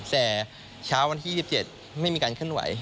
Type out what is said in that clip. แต่เช้าวันที่๒๗ไม่มีการเคลื่อนไหว